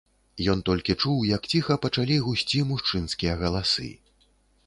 Ён толькі чуў, як ціха пачалі гусці мужчынскія галасы.